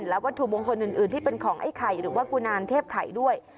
และวัตถุมงคลอื่นที่เป็นของไอ้ไข่หรือว่ากุณาเทพไข่ด้วย